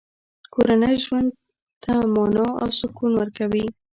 کورنۍ ژوند ته مانا او سکون ورکوي.